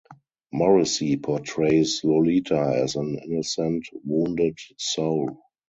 Morrissey portrays Lolita as an innocent, wounded soul.